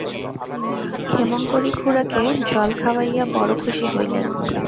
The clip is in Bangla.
ক্ষেমংকরী খুড়াকে জল খাওয়াইয়া বড়ো খুশি হইলেন।